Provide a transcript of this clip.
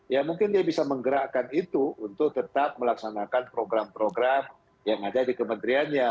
ya mungkin dia bisa menggerakkan itu untuk tetap melaksanakan program program yang ada di kementeriannya